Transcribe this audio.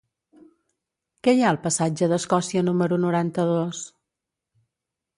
Què hi ha al passatge d'Escòcia número noranta-dos?